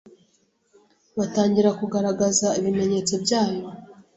batangira kugaragaza ibimenyetso byayo